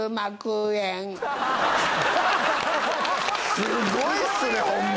すごいっすねホンマ